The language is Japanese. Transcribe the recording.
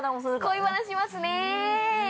◆恋バナしますねぇ。